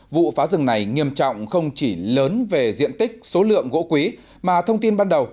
vụ phá rừng này nghiêm trọng không chỉ lớn về diện tích số lượng gỗ quý mà thông tin ban đầu